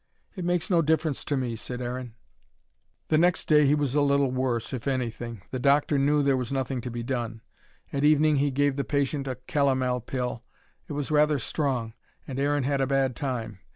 "It makes no difference to me," said Aaron. The next day he was a little worse, if anything. The doctor knew there was nothing to be done. At evening he gave the patient a calomel pill. It was rather strong, and Aaron had a bad time.